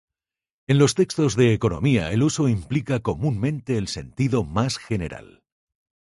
En los textos de economía el uso implica comúnmente el sentido más general.